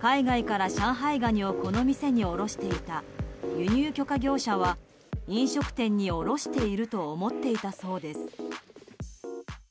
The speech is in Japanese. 海外から上海ガニをこの店に卸していた輸入許可業者は飲食店に卸していると思っていたそうです。